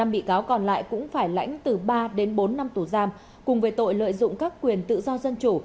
năm bị cáo còn lại cũng phải lãnh từ ba đến bốn năm tù giam cùng về tội lợi dụng các quyền tự do dân chủ